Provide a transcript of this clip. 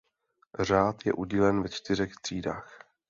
Řád je udílen ve čtyřech třídách.